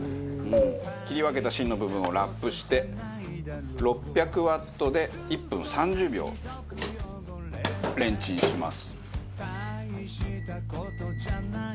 切り分けた芯の部分をラップして６００ワットで１分３０秒レンチンします。